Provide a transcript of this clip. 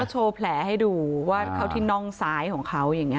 โชว์แผลให้ดูว่าเข้าที่น่องซ้ายของเขาอย่างนี้